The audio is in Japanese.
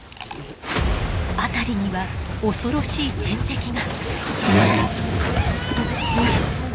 辺りには恐ろしい天敵が。